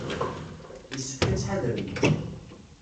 Yessefk ad tḥadrem.